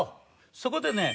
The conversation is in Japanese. そこでね